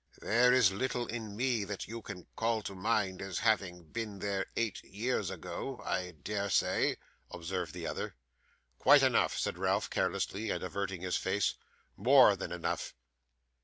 'There is little in me that you can call to mind as having been there eight years ago, I dare say?' observed the other. 'Quite enough,' said Ralph, carelessly, and averting his face. 'More than enough.